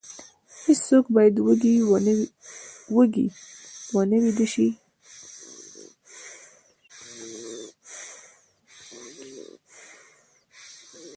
هیڅوک باید وږی ونه ویده شي.